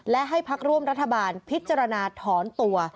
และให้พักร่วมรัฐบาลพิจารณาถอนตัว